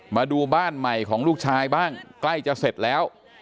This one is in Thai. มาดูบ้านใหม่ของลูกชายบ้างใกล้จะเสร็จแล้ว